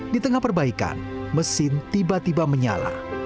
di tengah perbaikan mesin tiba tiba menyala